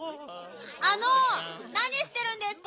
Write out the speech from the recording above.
あのなにしてるんですか？